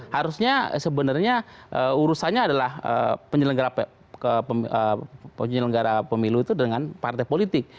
harusnya sebenarnya urusannya adalah penyelenggara pemilu itu dengan partai politik